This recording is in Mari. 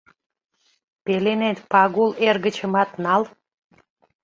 Пеленет Пагул эргычымат нал.